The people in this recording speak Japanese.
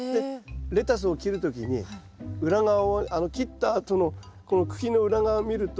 レタスを切る時に裏側を切ったあとのこの茎の裏側を見ると白いのが。